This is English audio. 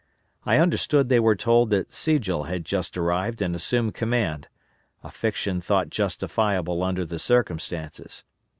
I understood they were told that Sigel had just arrived and assumed command, a fiction thought justifiable under the circumstances.